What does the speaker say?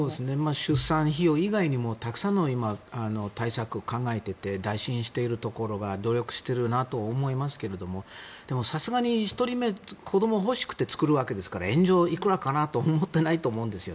出産費用以外にもたくさんの今、対策を考えてて打診しているところは努力しているなと思いますけどもでも、さすがに１人目子どもを欲しくて作るわけですから援助、いくらかなと思っていないと思うんですよ。